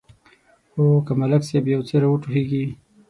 خو که ملک صاحب یو څه را وټوخېږي.